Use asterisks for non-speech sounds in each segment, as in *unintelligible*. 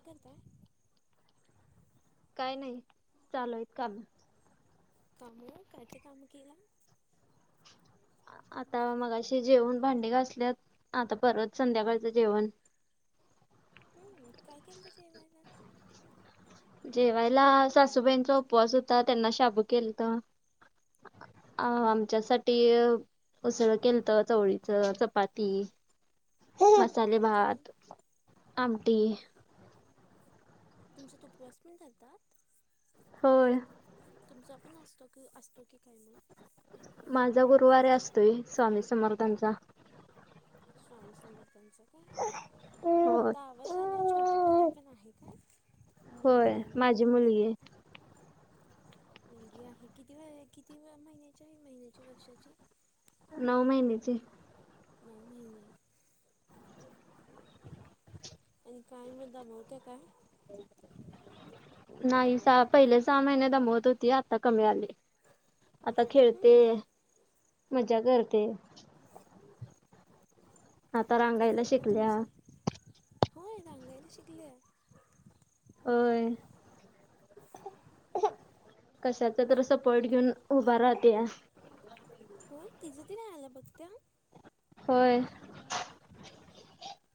काय करताय? काय नाही चालूइत काम. काम हे काय त काम केलं? आता मगाशी जेवण भांडी घासल्यात आता परत संध्याकाळचं जेवण. हम्म काय केलत जेवायला? जेवायला सासूबाईंचा उपवास होता त्यांना शाबू केलत. अ आमच्यासाठी उसळं केल तर चवळीच चपाती. हम्म तुमच्या तू मसालेभात आमटी. तुमच तुपवास पण करतात? होय. तुमचा पण असतो क असतो की काय मग. माझा गुरुवारे असतोय स्वामी समर्थांचा. स्वामी समर्थांचा काय? होय आता आवाज आला छोटी पोरगी पण आहे काय? होय मुलगी काय माझी मुलगा? मुलगी आहे मुलगी आहे. किती वय आहे. किती महिन्याची आहे. महिन्याची वर्षाची? नऊ महिन्याची नऊ महिने. आणि काय मग दमवत्या काय? नाही सहा पहिले सहा महिने दमवत होती, आता कमी आली. आता खेळते, हम्म मजा करते. आता रांगायला किती *unintelligible* शिकल्या तुमचं? होय रांगायला शिकल्या? होय. कशाचा तर सपोर्ट घेऊन उभा राहत्या. होय तिज ती रहायला बघत्या. होय.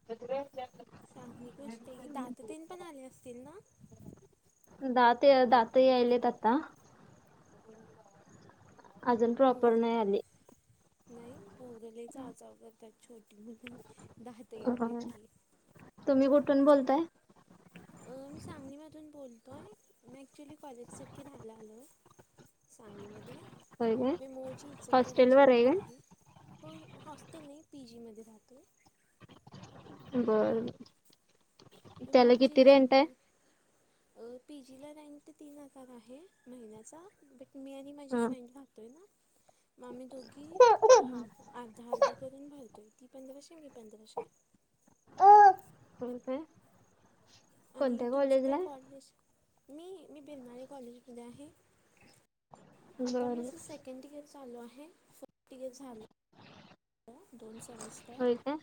*unintelligible* विचार चांगली गोष्ट आहे की, दाततेन पण आले असतील ना? दात दात यायलेत आत्ता. अजून प्रॉपर पूर नाही आली. नाही पोर लई चावा चाव करतात, छोटी मुलं दात होय यालीत की. तुम्ही कुठून बोलता आहे? अ मी सांगलीमधून बोलतोय मी ऍक्च्युली कॉलेजसाठी राहायला आलो सांगलीमध्ये होय काय मी मुळची इचलकरंजी हॉस्टेलवर मधली आहे. काय होय ह हॉस्टेल नाही पी जीमध्ये राहतोय. बरं त्याला किती रेंट आहे? अ पी जी ला राहीन तर तीन हजार आहे महिन्याचा बट मी आणि माझी हां फ्रेंड राहतो आहे ना, म आम्ही दोघी हाफ अर्धा अर्धा करून भरतोय ती पंधराशे मी पंधराशे *unintelligible* आणि तुमचं काय कॉलेजला आहे कॉलेज मी मी बिरणारे कॉलेजमध्ये आहे. आता माझ बरं सेकंड इयर चालू आहे फस्ट इयर झालं. दोन सेमिस् तर होय काय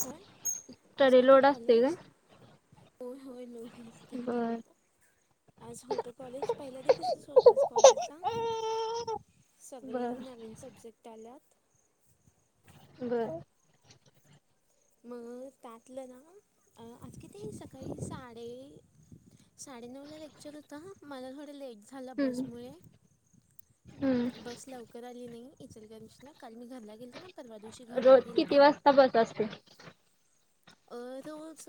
चल आज स्टडी होतं लोड असते कॉलेज काय होय होय लोकं हसते बरं तेवढ्यात आज होते कॉलेज पहिला दिवसच होता आज कॉलेजचा. सगळी बरं नवीन सब्जेक्ट आल्यात बर म त्यातलं ना आज कती सकाळी साडे साडेनऊला लेक्चर होता हा मला थोडं लेट झा झाला हं बसमुळे हम्म बस लवकर आली नाही इचलगंशला काल मी घरला गेलते ना परवा दिवशी घरला गेलते ता बस असते रोज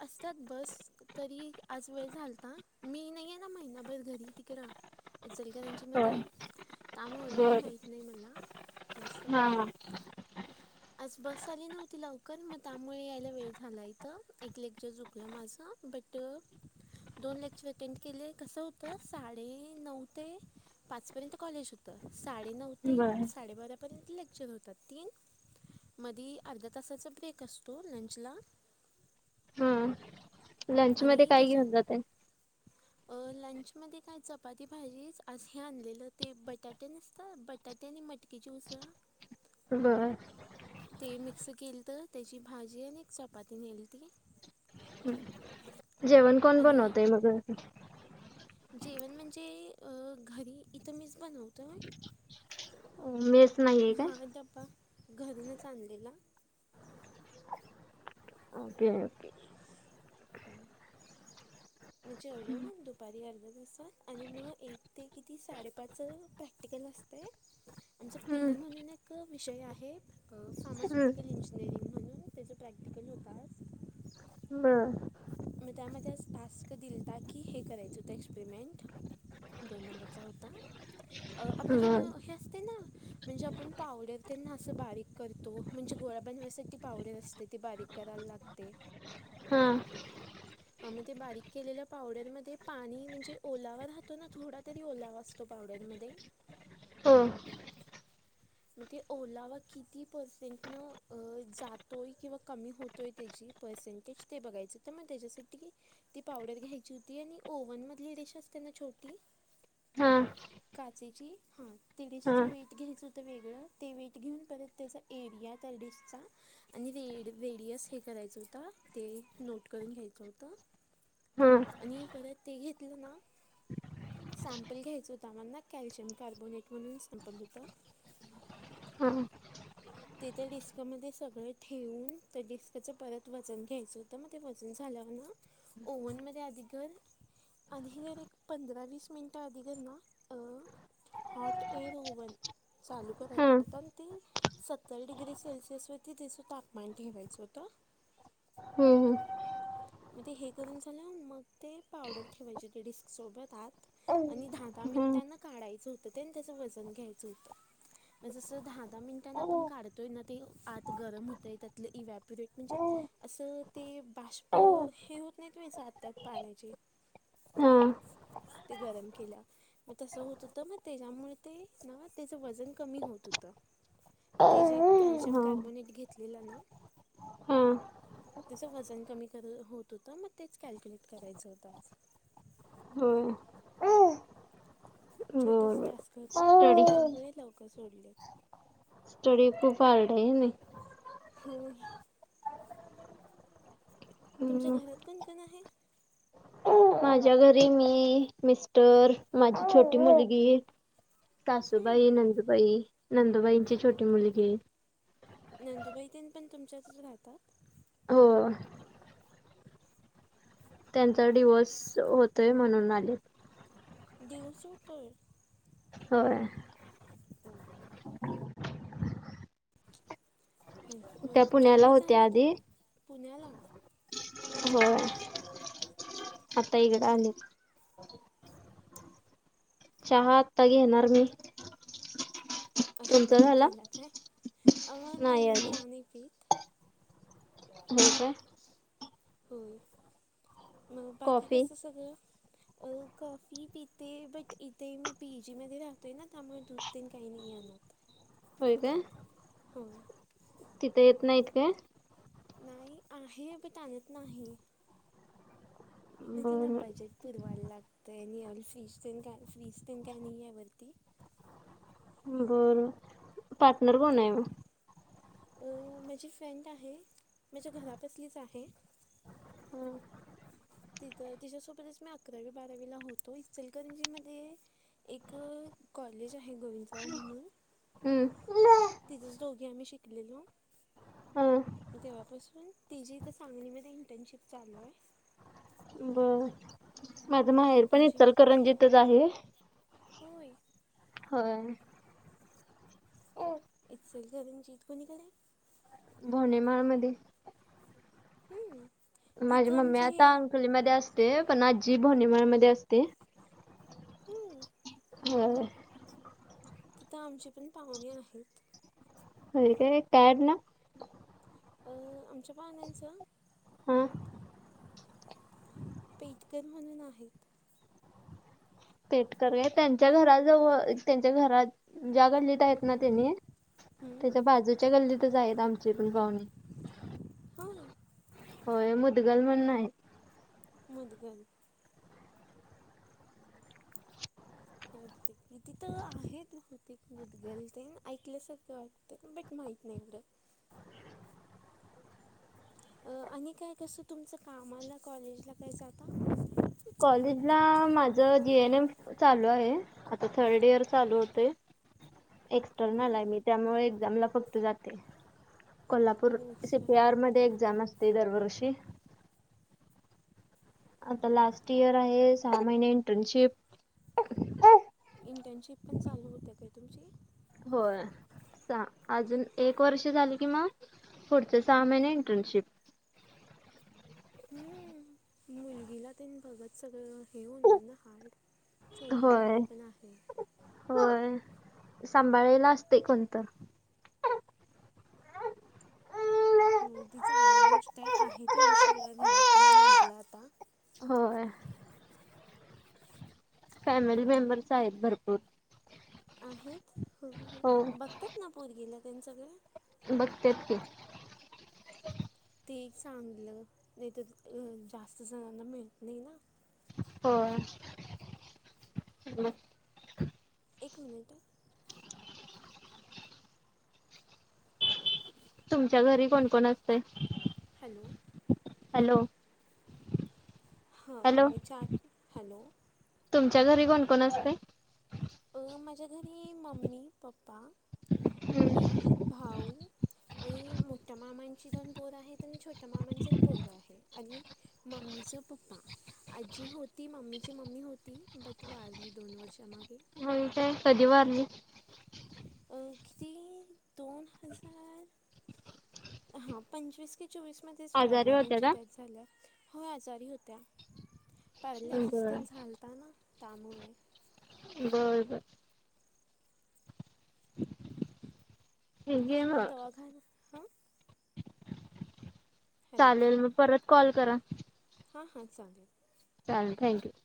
असत्यात बस तरी आज वेळ झालता मी नाहीयेे ना महिनाभर घरी तिकडं *unintelligible* चीमध्ये होय त्यामूळे पण बर माहीत नाही मला जास्त हा हा आज बस आली नव्हती लवकर म त्यामुळे यायला वेळ झालाइथं एक लेक्चर चूक सूटल माझ बट दोन लेक्चर अटेंड केले कसं होतं साडेनऊ ते पाचपर्यंत कॉलेज हो तर साडेनऊ ते बर साडेबारापर्यंत लेक्चर होतात तीन मधी अर्ध्या तासाचा ब्रेक असतो लंचला हां लंचमध्ये काय घेऊन जाताय? अ लंचमध्ये काय चपाती भाजीच आज हे आणलेलं ते बटाटे नसतात बट त्यात आणि मटकीची उसळ बरं आहे. ते मिक्स केलंत त्याची भाजी आणि एक चपाती नेलती जेवण कोण आणि बनवतोय मगं? जेवण म्हणजे अ घरी इथं मीच बनवतोय अ मेस नाहीये काय? हा डबा घरूनच आणलेला ओके ओके. तर म जेवलो पण दुपारी अर्ध्या तासात आणि म एक ते किती साडेपाच प्रॅक्टिकल असते आमचं पी हम्म ई म्हणून क विषय आहे हम्म फार्मास्युटिकल इंजिनिअरिंग म्हणून त्याचं प्रॅक्टिकल होता आज ल म त्यामध्ये आज टास्क दिलता की हे करायचं होतं एक्सपेरिमेंट दोन नंबरचा होता अ आपल्या ते म बर हे असते ना म्हणजे आपण पावडर त्यांना असं बारीक करतो म्हणजे गोळा बनवयासाठी पावडर असते ती बारीक कराल लागते. हा आम्ही ते बारीक केलेल्या पावडरमध्ये पाणी म्हणजे ओलावि राहतो ना थोडा तरी ओलावा असतो पावडरमध्ये. हम्म *unintelligible* मग ते ओलावा किती पर्सेंट न अं जातोय किंवा कमी होत तु त्याची पर्सेंटेज ते बघायचं, तर मग त्याच्यासाठी ती ती पावडर घ्यायची होती आणि ओव्हन मधली डिश असते ना छोटी हा *inaudible* काचेची हा हा तेडीसच वेट घ्यायचं होतं वेगळं, ते वेट घेऊन परत त्याच एरिया तर डिसचा आणि रे-रेडियस हे करायचा होता ते नोट करून घ्यायचं होतं. हा आणि परत ते घेतलं ना सॅम्पल घ्यायचं होत आम्हाला. कॅल्शियम कार्बोनेट म्हणून सॅम्पल होतं. हा ते त्या डिस्कमध्ये सगळं ठेवून, त्या डिस्कचं परत वजन घ्यायचं आता मध्ये वजन झाल्यावर ना ओव्हनमध्ये आधी कर. आधी खर एक पंधरा वीस मिनटं आधीगर ना अ हॉट एअर ओव्हन चालू हा करायच, पण ती सत्तर डिग्री सेल्सिअसवरती तेचं तापमान ठेवायचं होतं. हम्म, हम्म. मग ते हे करून झालं, मग ते पावडर ठेवायची होती डिस्क सोबत आत आणि धा दहा हम्म मिनिटांन काढायचं होत आणि त्याचं वजन घ्यायचं होतं. मग जसं दहा दहा मिनिटांन हा हा आपण काढत तोय ना ते आत गरम होतय त्यातलं इवॅप्युरेट म्हणजे असं ते बा तर हे होत नाही व्हय जात्यात पाण्याची ते गरम केल्या. मग तसं होत होतं मग त्याच्यामुळे ते ना त्याचं वजन कमी होत होतं. हा ते जे कॅल्शियम कार्बोनेट घेतलेलं ना त्याच वजन कमी कर होत होतं, मग तेच कॅल्क्युलेट करायचं होतं. होय. छोटाच बर टास्क होता, मग स्टडी त्यामुळे लवकर सोडले. स्टडी खूप हार्ड आहे हय नई? होय. तुमच्या हम्म. घरात कोणकोण आहे? माझ्या घरी मी, मिस्टर, माझी छोटी मुलगी हम्म सासूबाई, नंदुबाई, नंदुबाईची छोटी मुलगी नंदुबाई तेन पण तुमच्यातच राहतात? हो. त्यांचा डिव्होर्स होतोय म्हणून आलेत. डिव्होर्स होतोय. होय. हो गया. *unintelligible* त्या चहा पुण्याला बी झालं होत्या होतं आधी पुण्याला हो, ‌ आता इकडें आलेत. चहा आता घेणार मी. अजून तुमचा नाही झाला केला काय? अ नाही मी चहा नाही पित. होय काय? होय. मग बाकी कॉफी कस सगळं अं कॉफी पीते, बट इथे मी पी जीमध्ये राहतोय ना त्यामुळे दूधतेन काही नाही आहे अगं. *inaudible* होय काय? होय. तिथं येत नाहीत काय? नाही आहे पण तानत नाही. होती ना बरं बजट पुूरवायला लागतंय आणि फ्रीज तेन काय फ्रीज तेन काय नाहीये वरती. बर. *unintelligible* अ माझी फ्रेंड आहे, माझ्या घरापसलीच आहे. हं. तिथं तिच्यासोबतच मी अकरावी बारावीला होतो. इचलकरंजीमध्ये इथं कॉलेज आहे गोविंदराव म्हणून. हम्म. तिथंच दोघी आम्ही शिकलेलो, हा तेव्हापासून तची इथं सांगलीमध्ये इंटर्नशिप चालू हाय. बर, माझ मग ती माहेरपण इंटर्नशिपसाठी इचलकरंजीतच आहे. होय. होय. इचलकरंजीत कुणीकडे? भोनेमाळ मध्ये. हम्म. माझी तिथं मम्मी आमचे आता हे अंकलीमध्ये असते, पण आजी भोनेमाळमध्ये असते. हम्म. *unintelligible* तिथं आमचे पण पाहुणे आहेत. होय काय, काय आडनाव? अ आमच्या पाहुण्यांचं हां. पेटकर म्हणून आहेत. पेटकर हाय. त्यांच्या घराजवळ, त्यांच्या घरात ज्या गल्लीत आहेत ना तेनी, हम्म, त्याच्या बाजूच्या गल्लीतच आहेत आमची पण पाहुणे. होय होय, मुदगल म्हणून हाईत. मुधगल. *inaudible* तिथं आहेत बहुतेक मुदगल तेन, ऐकल्यासारखं वाटतं, बट माहीत नाही बरं. आणि काय कसं तुमचं, कामाला कॉलेजला काय जाता? कॉलेजला माझं जीएनएम चालू आहे, आता थर्ड इयर चालू होतंय. हो एक्सटर्नल आहे मी, त्यामुळे एक्झामला फक्त जाते. कोल्हापूर, हो एक्स्टर्नल सीपीआरमध्ये काय एक्झाम असते दरवर्षी. आता लास्ट इयर आहे, सहा महिने इंटर्नशिप. इंटर्नशिपपण चालू हुत्या काय तुमची? होय. स अजून एक वर्ष झालं की मग, पुढचं सहा महिने इंटर्नशिप. हम्म, मुलगीला तेन बघत सगळं, हे होणार ना हार्ड? छोटी होय मुलगी पण आहे होय, सांभाळायला असतंय कोणतर. हो ती चांगली गोष्ट आहे. आहे तेवढी सोडा घरात, तुम्ही म्हटला आता. होय. फॅमिली मेंबर्स आहेत भरपूर. आहेत. हो हो हो. बघतात ना पोरगीला तेन सगळं? बघत्यात की. ते एक चांगलं नाही तर अ जास्त जणांना मिळत नाही ना. होय एक मिनिट हा. तुमच्या घरी कोण कोण असतंय? हॅलो. हॅलो. हा हॅलो मी चार हॅलो तुमच्या घरी कोण-कोण असतय? अ माझ्या घरी मम्मी, पप्पा, मी भाऊ आणि मोठ्या मामांची दोन पोरं आहेत आणि छोट्या मामांच एक पोरगा आहे आणि मम्मीचा पप्पा आजी होती मम्मीची मम्मी होती बट वारली दोन वर्षा मागे. *unintelligible* कधी वारली? अ किती दोन हजार हा पंचवीस कि चोवीस मध्येचं आजारी वारल्या होत्या त्यांची का? डेथ झाल्या हो आजारी होत्या. पडले बर सिस्टम झालता ना त्यामुळे बरं बरं. ठीक आहे तिथेच मग. दवाखाना हा. चालेल मग परत कॉल करा. हा हा चालेल. चालेल थँक्यू.